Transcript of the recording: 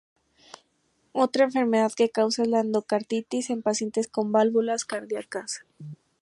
Otra enfermedad que causa es la endocarditis en pacientes con válvulas cardíacas.